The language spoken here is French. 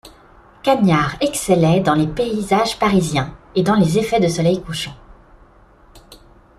Cagniart excellait dans les paysages parisiens, et dans les effets de soleil couchant.